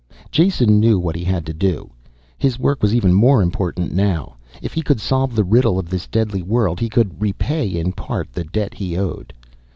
Jason knew what he had to do. His work was even more important now. If he could solve the riddle of this deadly world, he could repay in part the debt he owed.